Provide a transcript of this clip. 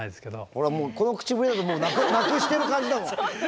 ほらもうこの口ぶりだとなくしてる感じだもん。